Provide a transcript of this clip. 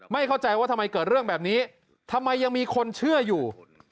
เข้าใจว่าทำไมเกิดเรื่องแบบนี้ทำไมยังมีคนเชื่ออยู่